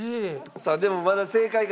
さあでもまだ正解かどうかは。